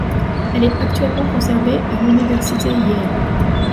Elle est actuellement conservée à l'université Yale.